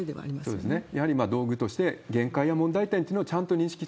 そうですね。